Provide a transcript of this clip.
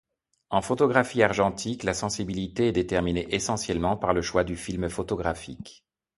En photographie argentique, la sensibilité est déterminée essentiellement par le choix du film photographique.